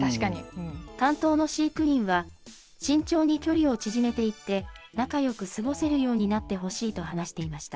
担当の飼育員は、慎重に距離を縮めていって、仲よく過ごせるになってほしいと話していました。